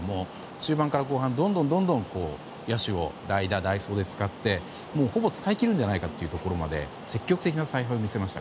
中盤から後半、どんどんどんどん野手を代打、代走で使ってほぼ使い切るんじゃないかというところまで積極的な采配を見せました。